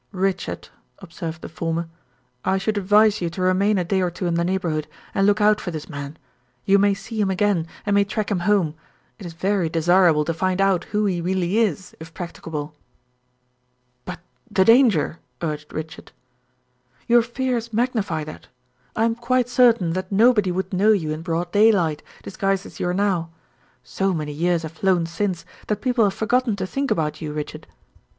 "Richard," observed the former, "I should advise you to remain a day or two in the neighborhood, and look out for this man. You may see him again, and may track him home; it is very desirable to find out who he really is if practicable." "But the danger?" urged Richard. "Your fears magnify that. I am quite certain that nobody would know you in broad daylight, disguised as you are now. So many years have flown since, that people have forgotten to think about you, Richard."